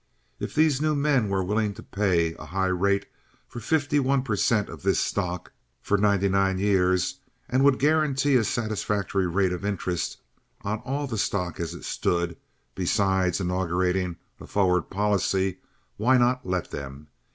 If these new men were willing to pay a high rate for fifty one per cent. of this stock for ninety nine years and would guarantee a satisfactory rate of interest on all the stock as it stood, besides inaugurating a forward policy, why not let them?